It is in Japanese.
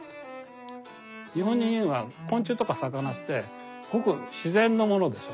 日本人は昆虫とか魚ってごく自然のものでしょ。